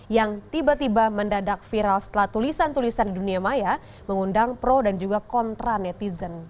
yang tiba tiba mendadak viral setelah tulisan tulisan di dunia maya mengundang pro dan juga kontra netizen